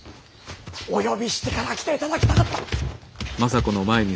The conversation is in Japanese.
お呼びしてから来ていただきたかった。